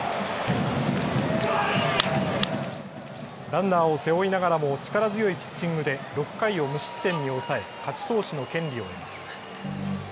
ランナーを背負いながらも力強いピッチングで６回を無失点に抑え勝ち投手の権利を得ます。